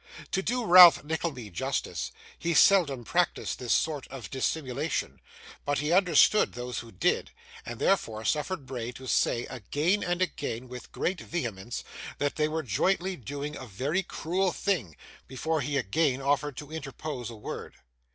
To do Ralph Nickleby justice, he seldom practised this sort of dissimulation; but he understood those who did, and therefore suffered Bray to say, again and again, with great vehemence, that they were jointly doing a very cruel thing, before he again offered to interpose a word.